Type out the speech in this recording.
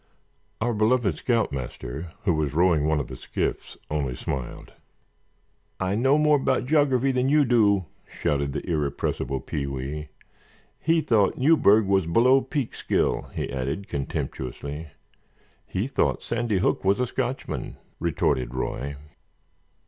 "Our beloved scoutmaster," who was rowing one of the skiffs, only smiled. "I know more about geography than you do," shouted the irrepressible Pee wee; "he thought Newburgh was below Peekskill," he added, contemptuously. "He thought Sandy Hook was a Scotchman," retorted Roy.